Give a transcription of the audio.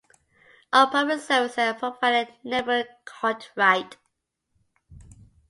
All public services are provided in neighboring Cartwright.